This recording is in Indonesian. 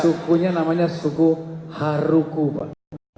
suku itu namanya suku haruku pak